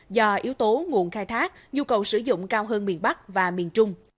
do yếu tố nguồn khai thác nhu cầu sử dụng cao hơn miền bắc và miền trung